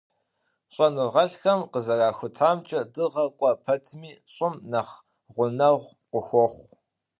ЩӀэныгъэлӀхэм къызэрахутамкӀэ, Дыгъэр кӀуэ пэтми, ЩӀым нэхъ гъунэгъу къыхуохъу.